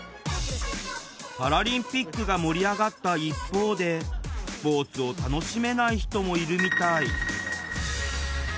パラリンピックが盛り上がった一方でスポーツを楽しめない人もいるみたい。